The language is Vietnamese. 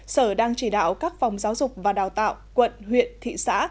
sở đang chỉ đạo các phòng giáo dục và đào tạo quận huyện thị xã